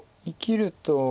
生きると。